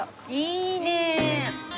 いいねえ。